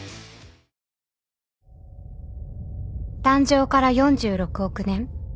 ［誕生から４６億年］